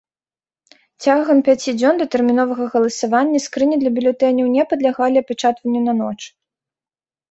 Цягам пяці дзён датэрміновага галасавання скрыні для бюлетэняў не падлягалі апячатванню на ноч.